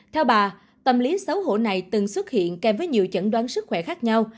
theo bà tâm lý xấu hổ này từng xuất hiện kèm với nhiều chẩn đoán sức khỏe khác nhau